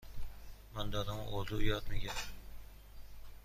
من دارم اردو یاد می گیرم.